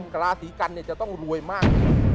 กราศีกันเนี่ยจะต้องรวยมาก